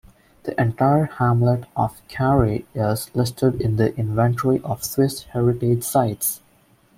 The entire hamlet of Carre is listed in the Inventory of Swiss Heritage Sites.